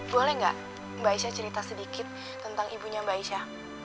boleh nggak mbak aisyah cerita sedikit tentang ibunya mbak aisyah